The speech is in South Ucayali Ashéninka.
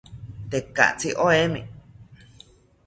Tekatzi oemi